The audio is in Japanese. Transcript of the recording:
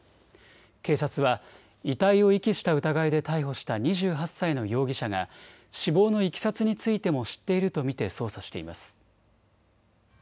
警察は遺体を遺棄した疑いで逮捕した２８歳の容疑者が死亡のいきさつについても知っていると見て捜査しています。